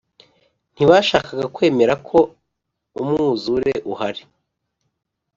Ntibashakaga kwemera ko umwuzure uhari